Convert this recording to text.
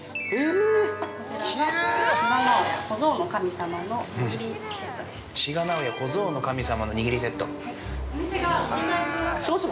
こちらが、志賀直哉小僧の神様の握りセットです。